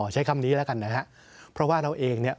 ใช้คำนี้แล้วกันนะครับเพราะว่าเราเองเนี่ย